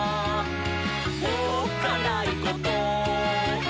「おっかないこと？」